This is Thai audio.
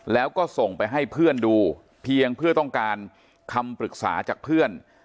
แล้วก็ส่งไปให้เพื่อนดูเพียงเพื่อต้องการคำปรึกษาจากเพื่อน